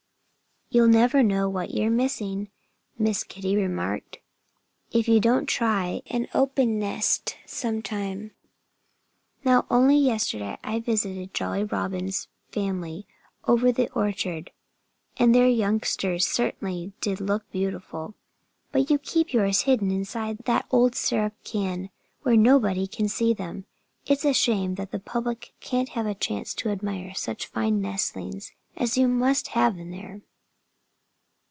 "You'll never know what you're missing," Miss Kitty remarked, "if you don't try an open nest sometime. Now, only yesterday I visited Jolly Robin's family over in the orchard. And their youngsters certainly did look beautiful. But you keep yours hidden inside that old syrup can where nobody can see them. It's a shame that the public can't have a chance to admire such fine nestlings as you must have in there."